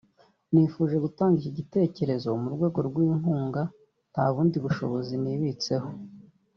nifuje gutanga iki gitekerezo mu rwego rw’inkunga (nta bundi bushobozi nibitseho